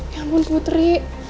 ya ampun putri